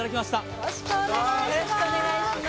よろしくお願いします